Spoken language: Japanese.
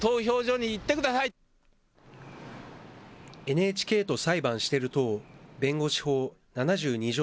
ＮＨＫと裁判してる党弁護士法７２条